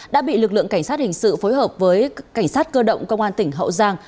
đã bị lực lượng cảnh sát hình sự phối hợp với cảnh sát cơ động công an tỉnh hậu giang